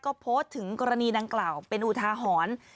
ก็โพสต์ถึงกรณีดังกล่าวเป็นอุทาหรณ์